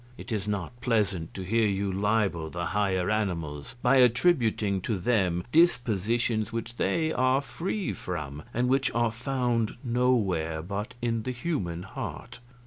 It is not pleasant to hear you libel the higher animals by attributing to them dispositions which they are free from, and which are found nowhere but in the human heart.